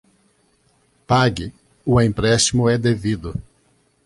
Pague, o empréstimo é devido.